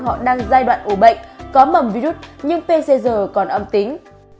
họ đang giai đoạn ủ bệnh có mầm virus nhưng pcr còn âm tính